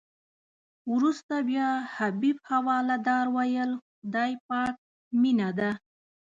وروسته بیا حبیب حوالدار ویل خدای پاک مینه ده.